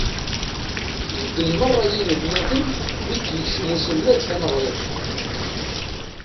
Bedden merra yinelmaden mi d-yekcem uselmad taneɣrit.